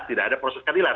tidak ada proses keadilan